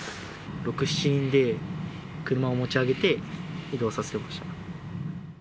６、７人で、車を持ち上げて、移動させました。